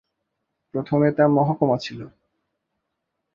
প্রথমে তা মহকুমা ছিল।